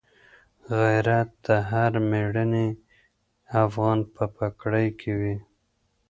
غیرت د هر مېړني افغان په پګړۍ کي وي.